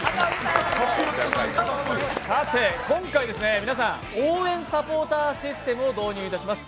さて、今回、皆さん応援サポーターシステムを導入いたします。